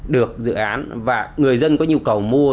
được dự án và người dân có nhu cầu mua